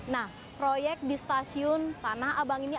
nah proyek di stasiun tanah abang ini